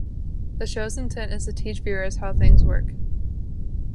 The show's intent is to teach viewers how things work.